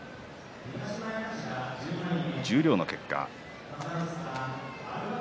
十両の結果です。